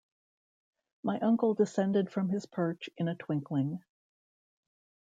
My uncle descended from his perch in a twinkling.